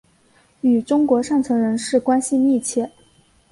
与中国上层人士关系密切。